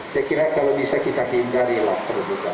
saya kira kalau bisa kita hindari lah perlukan